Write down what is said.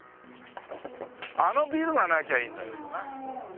あのビルがなきゃいいんだけどな。